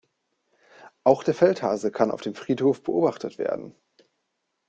Auch der Feldhase kann auf dem Friedhof beobachtet werden.